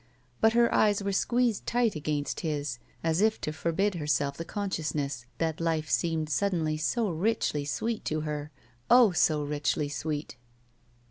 But her eyes were squeezed tight against his, as if to forbid herself the consciousness that life seemed suddenly so richly sweet to her — oh, so richly sweet!